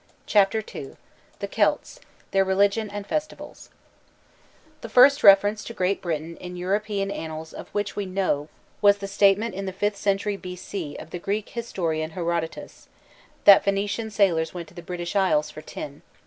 CHAPTER II THE CELTS: THEIR RELIGION AND FESTIVALS The first reference to Great Britain in European annals of which we know was the statement in the fifth century B. C. of the Greek historian Herodotus, that Ph[oe]nician sailors went to the British Isles for tin.